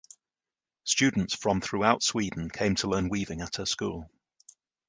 Students from throughout Sweden came to learn weaving at her school.